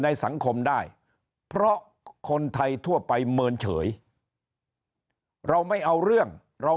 ในสังคมได้เพราะคนไทยทั่วไปเมินเฉยเราไม่เอาเรื่องเรา